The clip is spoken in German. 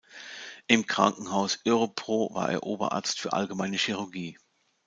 Im Krankenhaus Örebro war er Oberarzt für allgemeine Chirurgie.